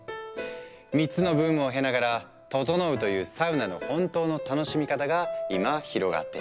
３つのブームを経ながら「ととのう」というサウナの本当の楽しみ方が今広がっている。